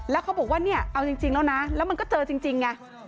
แล้วเขาบอกว่าเนี่ยเอาจริงแล้วนะแล้วมันก็เจอจริงไง